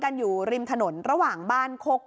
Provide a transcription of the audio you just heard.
พอหลังจากเกิดเหตุแล้วเจ้าหน้าที่ต้องไปพยายามเกลี้ยกล่อม